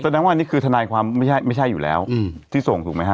แสดงว่าอันนี้คือทนายความไม่ใช่ไม่ใช่อยู่แล้วที่ส่งถูกไหมฮ